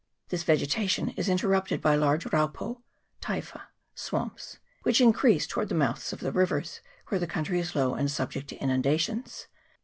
This vegetation is interrupted by large raupo (typha) swamps, which increase towards the mouths of the rivers, where the country is low and subject to inundations.